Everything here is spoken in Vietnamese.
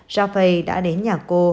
zhao fei đã đến nhà cô